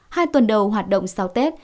hai tuần đầu hoạt động sau tết